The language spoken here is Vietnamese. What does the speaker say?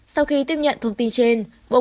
sau khi tiếp nhận thông tin trên